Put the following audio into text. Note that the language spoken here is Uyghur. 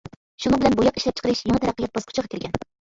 شۇنىڭ بىلەن بوياق ئىشلەپچىقىرىش يېڭى تەرەققىيات باسقۇچىغا كىرگەن.